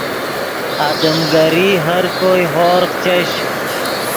آدم گری ہر کوئے ہورغ چش